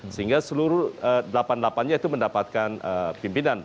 sehingga seluruh delapan delapan nya itu mendapatkan pimpinan